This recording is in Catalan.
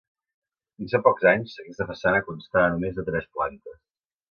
Fins fa pocs anys, aquesta façana constava només de tres plantes.